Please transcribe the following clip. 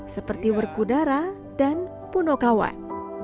seperti werkudara dan punokawan